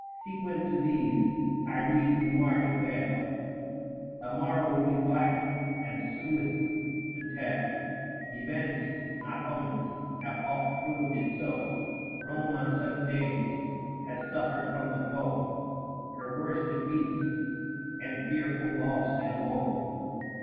Sequent to these — I rede you mark it well — The morrow will be black ; and sooth to tell Events, not omens, have oft proved it so ; 65 Rome on such days has suffered from the foe Her worst defeats and fearful loss and woe.